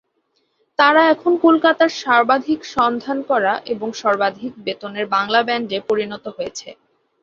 তারা এখন কলকাতার সর্বাধিক সন্ধান করা এবং সর্বাধিক বেতনের বাংলা ব্যান্ডে পরিণত হয়েছে।